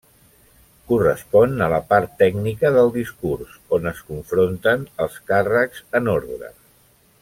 Correspon a la part tècnica del discurs, on es confronten els càrrecs en ordre.